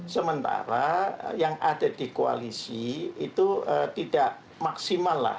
sementara yang ada di koalisi itu tidak maksimal lah